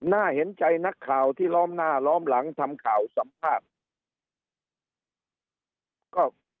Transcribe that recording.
น่าเห็นใจนักข่าวที่ล้อมหน้าล้อมหลังทำข่าวสัมภาษณ์